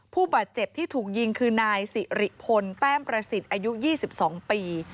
ผู้บาดเจ็บที่ถูกยิงคือนายสิริพลแต้มประสิทธิ์อายุ๒๒ปี